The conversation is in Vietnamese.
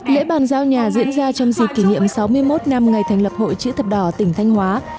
lễ bàn giao nhà diễn ra trong dịp kỷ niệm sáu mươi một năm ngày thành lập hội chữ thập đỏ tỉnh thanh hóa